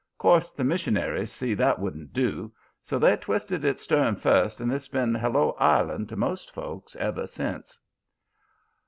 'Course the missionaries see that wouldn't do, so they twisted it stern first and it's been Hello Island to most folks ever since.